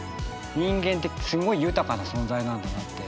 人間ってすごい豊かな存在なんだなって。